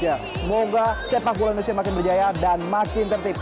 semoga sepak bola indonesia makin berjaya dan makin tertib